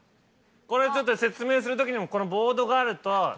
これちょっと説明するときにもこのボードがあると。